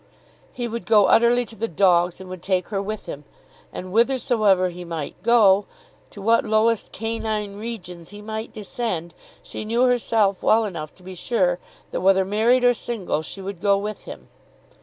He would go utterly to the dogs and would take her with him. And whithersoever he might go, to what lowest canine regions he might descend, she knew herself well enough to be sure that whether married or single she would go with him.